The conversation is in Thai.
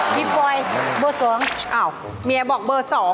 บิ๊บปลอยเบอร์สองอ้าวเมียบอกเบอร์สอง